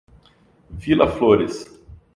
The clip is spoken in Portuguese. Vila Flores